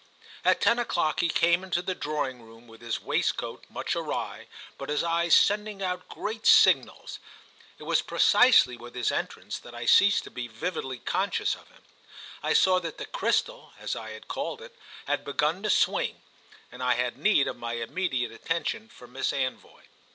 At ten o'clock he came into the drawing room with his waistcoat much awry but his eyes sending out great signals. It was precisely with his entrance that I ceased to be vividly conscious of him. I saw that the crystal, as I had called it, had begun to swing, and I had need of my immediate attention for Miss Anvoy.